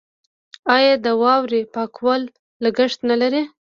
آیا د واورې پاکول لګښت نلري؟